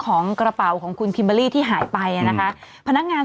ของกระเป๋าของคุณพิมเบอร์รี่ที่หายไปอ่ะนะคะพนักงาน